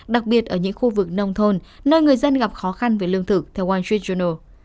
đặc biệt ở những khu vực nông thôn nơi người dân gặp khó khăn với lương thực theo wall street journal